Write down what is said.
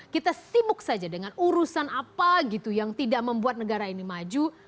kita sibuk saja dengan urusan apa gitu yang tidak membuat negara ini maju